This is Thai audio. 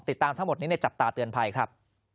ติดตามทั้งหมดนี้ในจับตาเตือนภัยครับ